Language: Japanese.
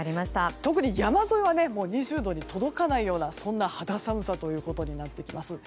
特に山沿いは２０度に届かないような肌寒さとなってきます。